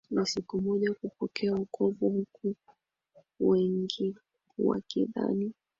ni siku moja kupokea wokovu huku wengi wakidhani